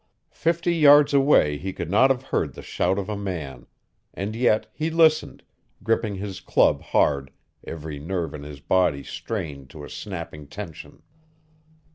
Fifty yards away he could not have heard the shout of a man. And yet he listened, gripping his club hard, every nerve in his body strained to a snapping tension.